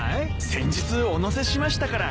先日お乗せしましたから。